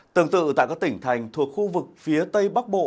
tương tự tại các tỉnh thành thuộc khu vực phía tây bắc bộ